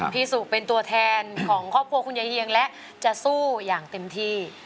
สุเป็นตัวแทนของครอบครัวคุณยายเยียงและจะสู้อย่างเต็มที่